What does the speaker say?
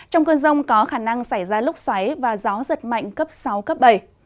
trong cơn rông có khả năng xảy ra lốc xoáy và gió giật mạnh cấp sáu bảy